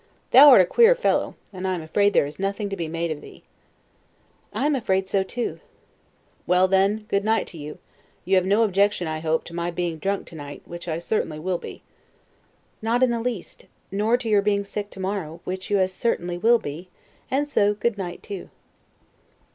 Thou art a queer fellow, and I am afraid there is nothing to be made of thee. Stanhope. I am afraid so too. Englishman. Well, then, good night to you; you have no objection, I hope, to my being drunk to night, which I certainly will be. Stanhope. Not in the least; nor to your being sick tomorrow, which you as certainly will be; and so good night, too.